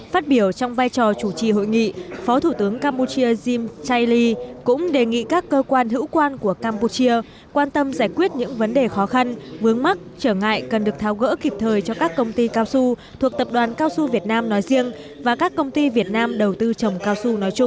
phát biểu trong vai trò chủ trì hội nghị phó thủ tướng campuchia jim chay lee cũng đề nghị các cơ quan hữu quan của campuchia quan tâm giải quyết những vấn đề khó khăn vướng mắt trở ngại cần được thao gỡ kịp thời cho các công ty cao su thuộc tập đoàn cao su việt nam nói riêng và các công ty việt nam đầu tư trồng cao su nói chung